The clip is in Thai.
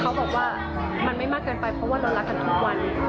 เขาบอกว่ามันไม่มากเกินไปเพราะว่าเรารักกันทุกวัน